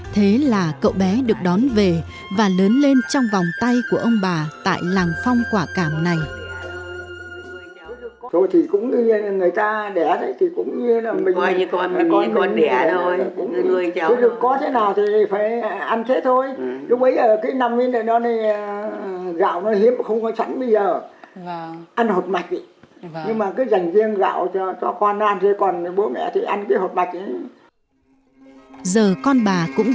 thì nó lại xầy chớt nó chảy máu